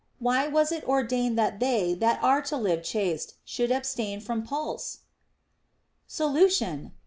Why was it ordained that they that were to live chaste should abstain from pulse \ Solution.